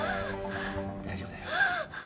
大丈夫だよ。